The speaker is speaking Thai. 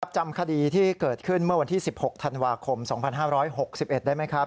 จำคดีที่เกิดขึ้นเมื่อวันที่๑๖ธันวาคม๒๕๖๑ได้ไหมครับ